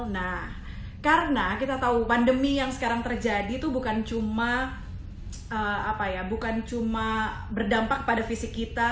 nah karena kita tahu pandemi yang sekarang terjadi itu bukan cuma apa ya bukan cuma berdampak pada fisik kita